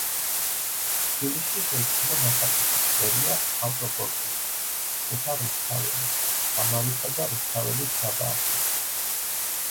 თბილისში შეიქმნა ნახატების სერია: „ავტოპორტრეტი“, „შოთა რუსთაველი“, „თამარისა და რუსთაველის გაბაასება“.